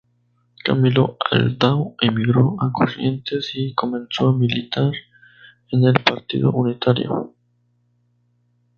Camilo Aldao emigró a Corrientes y comenzó a militar en el Partido Unitario.